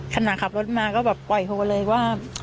ขณะขับรถมาก็แบบปล่อยโฮเลยว่า